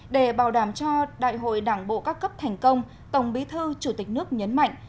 để bảo đảm cho đại hội đảng bộ các cấp thành công tổng bí thư chủ tịch nước nhấn mạnh